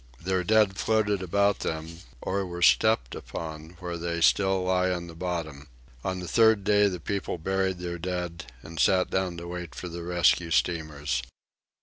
Their dead floated about them, or were stepped upon where they still lay upon the bottom. On the third day the people buried their dead and sat down to wait for the rescue steamers.